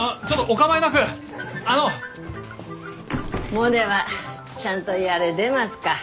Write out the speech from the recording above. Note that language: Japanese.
モネはちゃんとやれでますか？